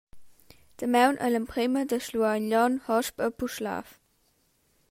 Damaun ei l’emprema da Schluein Glion hosp a Puschlav.